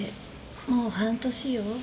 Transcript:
もう半年よ。